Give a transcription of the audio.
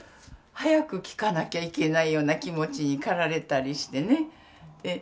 早くきかなきゃいけないような気持ちに駆られたりしてね。